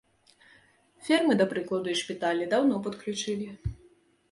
Фермы, да прыкладу, і шпіталі даўно падключылі.